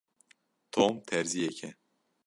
Tom terziyek e.